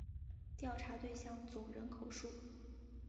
调查对象总人口数